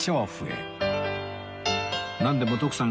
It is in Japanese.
なんでも徳さん